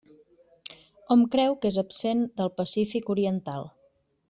Hom creu que és absent del Pacífic oriental.